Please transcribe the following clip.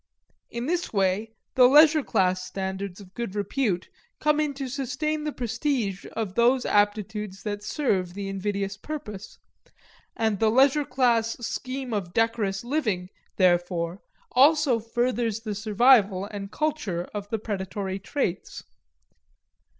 In this way the leisure class standards of good repute come in to sustain the prestige of those aptitudes that serve the invidious purpose; and the leisure class scheme of decorous living, therefore, also furthers the survival and culture of the predatory traits.